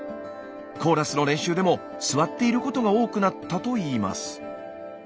コーラスの練習でも座っていることが多くなったといいます。